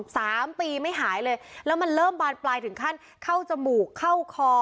สามปีไม่หายเลยแล้วมันเริ่มบานปลายถึงขั้นเข้าจมูกเข้าคอ